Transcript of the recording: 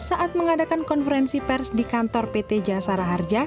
saat mengadakan konferensi pers di kantor pt jasara harja